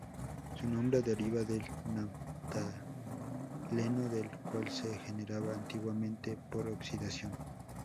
Su nombre deriva del naftaleno del cual se generaba antiguamente por oxidación.